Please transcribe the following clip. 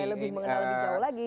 lebih mengenal lebih jauh lagi